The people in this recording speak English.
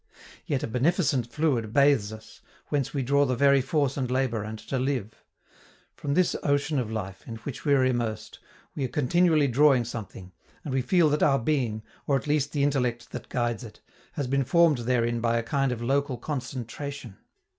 Yet a beneficent fluid bathes us, whence we draw the very force to labor and to live. From this ocean of life, in which we are immersed, we are continually drawing something, and we feel that our being, or at least the intellect that guides it, has been formed therein by a kind of local concentration.